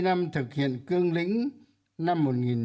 ba mươi năm thực hiện cương lĩnh năm một nghìn chín trăm chín mươi một